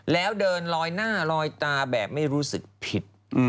แล้วเดินลอยหน้าลอยตาแบบไม่รู้สึกผิด